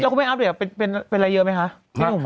แล้วคุณแม่งอัพเดียวเป็นอะไรเยอะไหมคะพี่หนุ่ม